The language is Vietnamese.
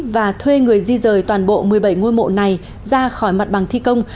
và thuê người di rời toàn bộ một mươi bảy ngôi mộ này ra khỏi mặt bằng thi công